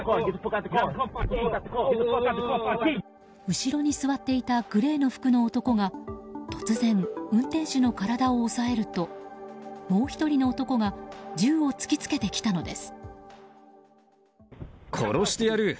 後ろに座っていたグレーの服の男が突然、運転手の体を押さえるともう１人の男が銃を突き付けてきたのです。